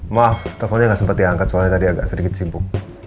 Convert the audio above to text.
maaf teleponnya nggak sempat diangkat soalnya tadi agak sedikit sibuk